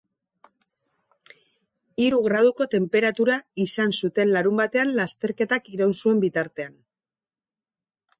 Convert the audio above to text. Hiru graduko tenperatua izan zuten larunbatean lasterketak iraun zuen bitartean.